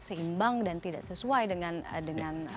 seimbang dan tidak sesuai dengan